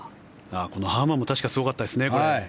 このハーマンも確か、すごかったですね。